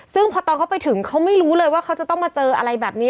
ซึ่งพอตอนเขาไปถึงเขาไม่รู้เลยว่าเขาจะต้องมาเจออะไรแบบนี้